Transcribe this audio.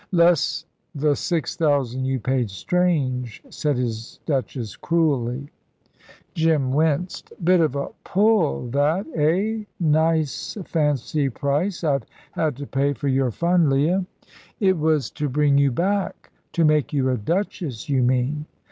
"Less the six thousand you paid Strange," said his Duchess, cruelly. Jim winced. "Bit of a pull, that hey! Nice fancy price I've had to pay for your fun, Leah." "It was to bring you back." "To make you a Duchess, you mean."